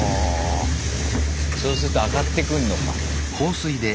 そうすると上がってくんのか。